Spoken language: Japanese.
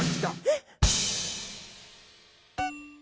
えっ？